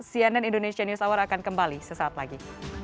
cnn indonesia news hour akan kembali sesaat lagi